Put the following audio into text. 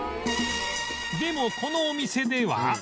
でもこのお店では